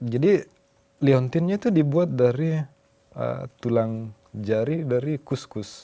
jadi leontinnya itu dibuat dari tulang jari dari kus kus